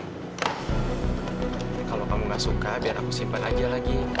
kalau kamu nggak suka biar aku simpan aja lagi